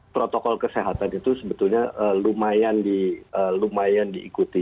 protokol kesehatan itu sebetulnya lumayan diikuti